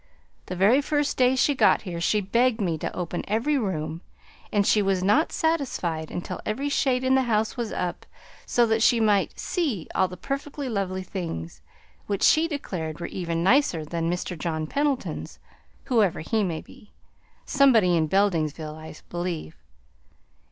The very first day she got here she begged me to open every room; and she was not satisfied until every shade in the house was up, so that she might 'see all the perfectly lovely things,' which, she declared, were even nicer than Mr. John Pendleton's whoever he may be, somebody in Beldingsville, I believe.